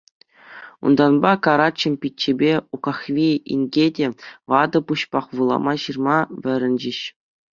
Унтанпа Карачӑм пиччепе Укахви инке те ватӑ пуҫпах вулама-ҫырма вӗренчӗҫ.